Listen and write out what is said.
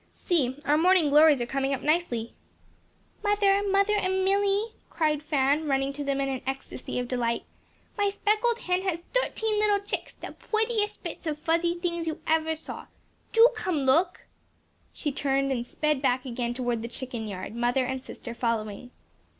See, our morning glories are coming up nicely." "Mother, mother, and Milly," cried Fan running to them in an ecstasy of delight, "my speckled hen has thirteen little chicks, the prettiest bits of fuzzy things you ever saw. Do come and look!" She turned and sped back again toward the chicken yard, mother and sister following.